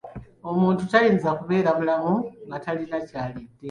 Omuntu tayinza kubeera mulamu nga talina ky'alidde.